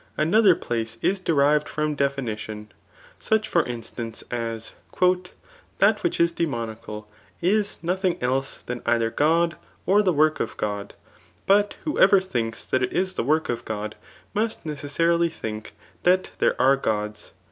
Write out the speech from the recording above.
Another place is derived from definition ; such fbr in* stance as, *'That which is dsemomacal is nothing else than either God, or the work of God ; but whoever ibinks that it is the work of God, must necessarily think that there are Gods.'"